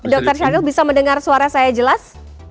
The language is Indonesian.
dokter syaril bisa mendengar suara saya jelas